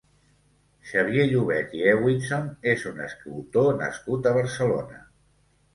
Xavier Llobet i Hewitson és un escultor nascut a Barcelona.